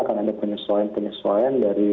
akan ada penyesuaian penyesuaian dari